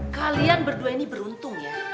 kalian berdua ini beruntung ya